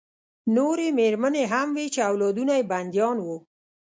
نورې مېرمنې هم وې چې اولادونه یې بندیان وو